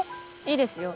いいですよ